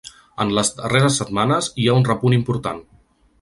En les darrers setmanes hi ha un repunt important.